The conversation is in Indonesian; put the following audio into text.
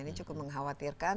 ini cukup mengkhawatirkan